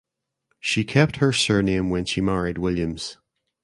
She kept her surname when she married Williams.